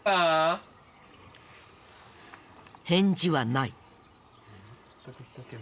返事はない。